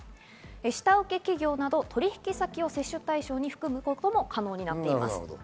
下請け企業など取引先を接種対象に含むことも可能です。